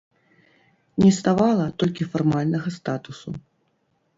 Не ставала толькі фармальнага статусу.